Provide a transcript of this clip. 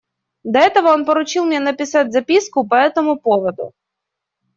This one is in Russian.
До этого он поручил мне написать записку по этому поводу.